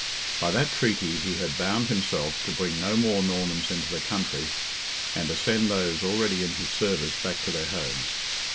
By that treaty he had bound himself to bring no more Normans into the country, and to send those already in his service back to their homes.